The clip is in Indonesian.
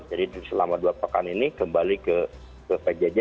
jadi selama dua pekan ini kembali ke pjj